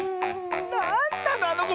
なんなのあのこ！